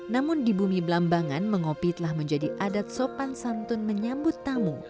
namun di bumi belambangan mengopi telah menjadi adat sopan santun menyambut tamu